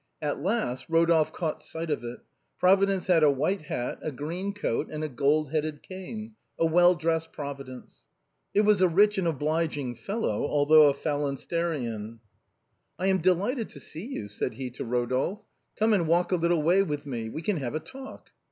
At last Rodolphe caught sight of it. Providence had a white hat, a green coat, and a gold headed cane — a well dressed Providence. It was a rich and obliging young fellow, although a phalansterian.* " I am delighted to see you," said he to Rodolphe, " come and walk a little way with me ; we can have a talk."